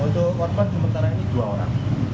untuk korban sementara ini dua orang